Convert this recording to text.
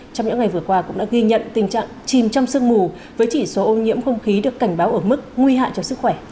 trong những ngày vừa qua cũng đã ghi nhận tình trạng chìm trong sương mù với chỉ số ô nhiễm không khí được cảnh báo ở mức nguy hại cho sức khỏe